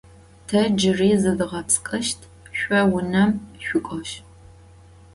Te cıri zıdğepsç'ışt, şso vunem şsuk'oj.